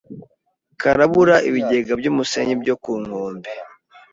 karabura ibigega by’umusenyi byo ku nkombe .